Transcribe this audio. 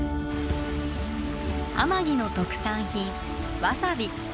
天城の特産品わさび。